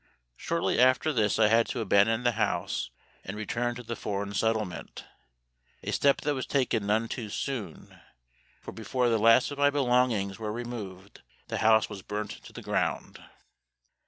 Shortly after this I had to abandon the house and return to the Foreign Settlement a step that was taken none too soon, for before the last of my belongings were removed, the house was burnt to the ground.